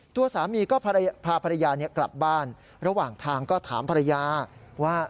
ตัวสามีก็พาภรรยากลับบ้านระหว่างทางก็ถามภรรยาว่า